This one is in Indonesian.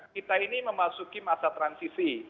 kita ini memasuki masa transisi